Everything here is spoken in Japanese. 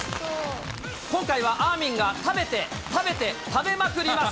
今回はあーみんが食べて、食べて、食べまくります。